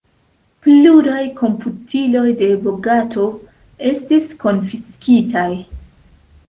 Pluraj komputiloj de Bogatov estis konfiskitaj.